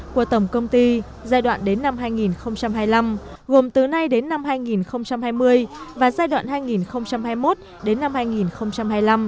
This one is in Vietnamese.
của tổng công ty giai đoạn đến năm hai nghìn hai mươi năm gồm từ nay đến năm hai nghìn hai mươi và giai đoạn hai nghìn hai mươi một đến năm hai nghìn hai mươi năm